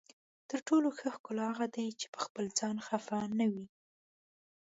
تر ټولو ښه ښکلا هغه ده چې پخپل ځان خفه نه وي.